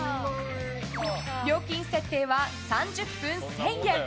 料金設定は３０分１０００円。